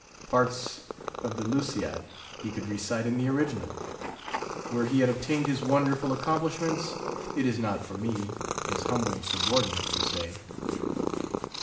Parts of the Lusiad, he could recite in the original. Where he had obtained his wonderful accomplishments, it is not for me, his humble subordinate, to say.